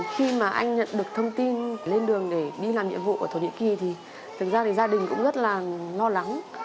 khi mà anh nhận được thông tin lên đường để đi làm nhiệm vụ ở thổ nhĩ kỳ thì thực ra thì gia đình cũng rất là lo lắng